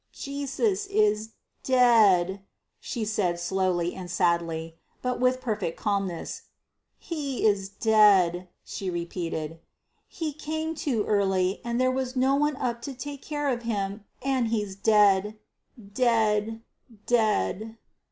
"Jesus is dead," she said, slowly and sadly, but with perfect calmness. "He is dead," she repeated. "He came too early, and there was no one up to take care of him, and he's dead dead dead!"